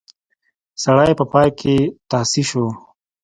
سړی په پای کې تاسی شو.